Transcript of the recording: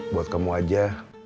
buat kamu aja